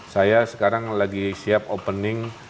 saya sekarang lagi siap opening